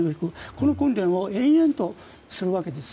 この訓練を延々とするわけです。